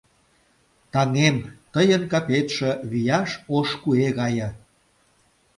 Таҥем, тыйын капетше вияш ош куэ гае.